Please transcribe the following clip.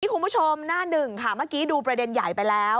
คุณผู้ชมหน้าหนึ่งค่ะเมื่อกี้ดูประเด็นใหญ่ไปแล้ว